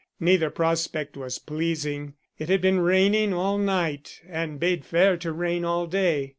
Neither prospect was pleasing. It had been raining all night, and bade fair to rain all day.